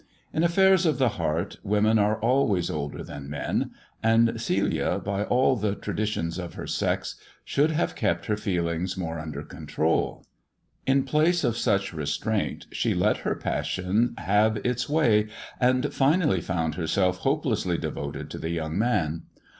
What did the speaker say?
In affairs of the heart women are always older than men, and Celia, by all the traditions of her sex, should have kept her feelings more under control. In place of such restraint she let her passion have its way, and finally found herself hopelessly devoted to the young man.